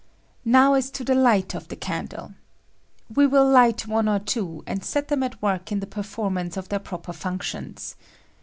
Now as to the light of the candle. We will hght one or two, and set them at work in the performance of their proper functions.